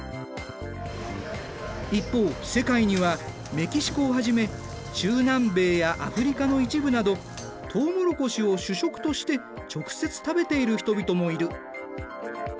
一方世界にはメキシコをはじめ中南米やアフリカの一部などとうもろこしを主食として直接食べている人々もいる。